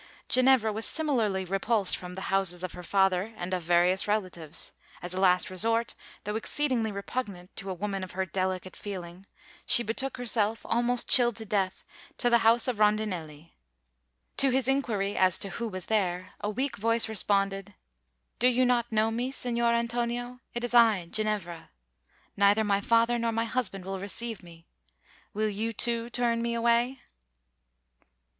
Ginevra was similarly repulsed from the houses of her father and of various relatives. As a last resort, though exceedingly repugnant to a woman of her delicate feeling, she betook herself, almost chilled to death, to the house of Rondinelli. To his inquiry as to who was there, a weak voice responded, "Do you not know me, Signor Antonio? It is I Ginevra. Neither my father nor my husband will receive me. Will you, too, turn me away?"